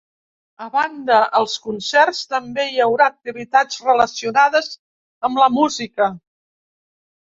A banda els concerts, també hi haurà activitats relacionades amb la música.